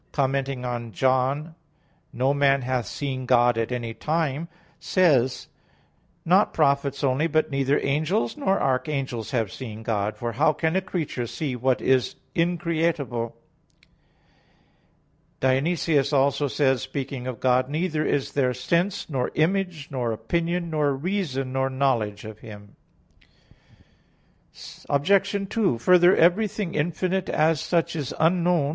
xiv. in Joan.) commenting on John 1:18, "No man hath seen God at any time," says: "Not prophets only, but neither angels nor archangels have seen God. For how can a creature see what is increatable?" Dionysius also says (Div. Nom. i), speaking of God: "Neither is there sense, nor image, nor opinion, nor reason, nor knowledge of Him." Obj. 2: Further, everything infinite, as such, is unknown.